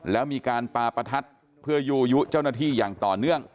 แล้วมีการปาประทัดเพื่อยูยุเจ้าหน้าที่อย่างต่อเนื่อง